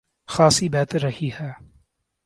خاصی بہتر رہی ہے۔